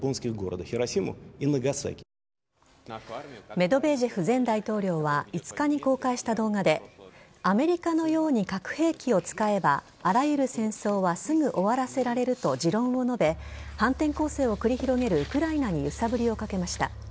メドベージェフ前大統領は５日に公開した動画でアメリカのように核兵器を使えばあらゆる戦争はすぐ終わらせられると持論を述べ反転攻勢を繰り広げるウクライナに揺さぶりをかけました。